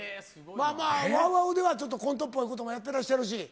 まあまあ、ＷＯＷＯＷでは、ちょっとコントっぽいこともやっていらっしゃるし。